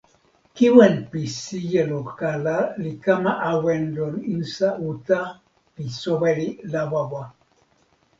kiwen pi sijelo kala li kama awen lon insa uta pi soweli Lawawa.